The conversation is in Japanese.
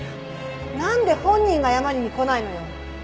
なんで本人が謝りに来ないのよ？